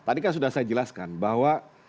tadi kan sudah saya jelaskan bahwa